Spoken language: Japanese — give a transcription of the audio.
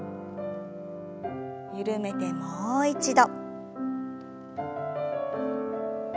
緩めてもう一度。